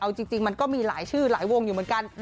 เอาจริงมันก็มีหลายชื่อหลายวงอยู่เหมือนกัน